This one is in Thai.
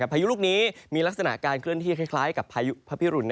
พายุลูกนี้มีลักษณะการเคลื่อนที่คล้ายกับพายุพระพิรุณ